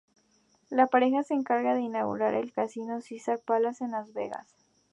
La pareja se encargó de inaugurar el casino "Caesars Palace" en Las Vegas.